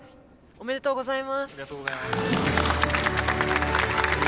ありがとうございます。